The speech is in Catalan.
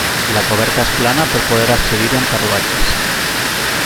La coberta és plana per poder accedir-hi amb carruatges.